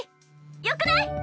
よくない？